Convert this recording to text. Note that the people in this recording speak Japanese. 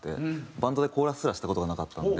バンドでコーラスすらした事がなかったんで。